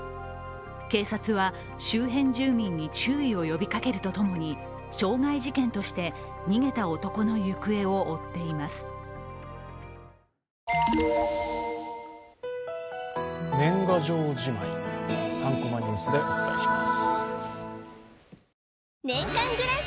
警察は周辺住民に注意を呼びかけるとともに傷害事件として逃げた男の行方を追っています。